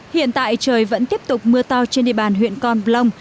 hiện tại trời vẫn tiếp tục mưa to trên địa bàn huyện con plong